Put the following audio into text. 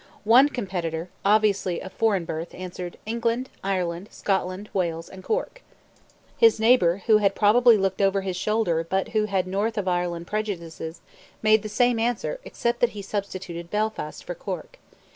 One competitor, obviously of foreign birth, answered: "England, Ireland, Scotland, Wales, and Cork." His neighbor, who had probably looked over his shoulder but who had North of Ireland prejudices, made the same answer except that he substituted Belfast for Cork.